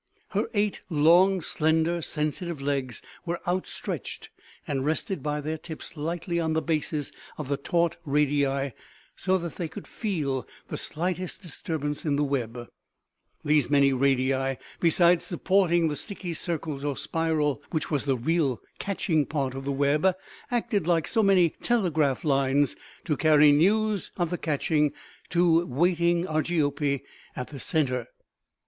Her eight long, slender, sensitive legs were outstretched and rested by their tips lightly on the bases of the taut radii so that they could feel the slightest disturbance in the web. These many radii, besides supporting the sticky circles or spiral, which was the real catching part of the web, acted like so many telegraph lines to carry news of the catching to waiting Argiope at the center.